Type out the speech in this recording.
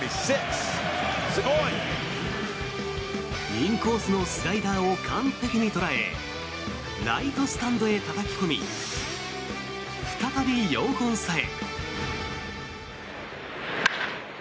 インコースのスライダーを完璧に捉えライトスタンドへたたき込み再び４本差へ。